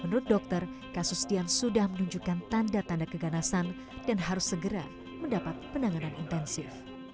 menurut dokter kasus dian sudah menunjukkan tanda tanda keganasan dan harus segera mendapat penanganan intensif